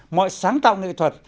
mọi sáng tạo nghệ thuật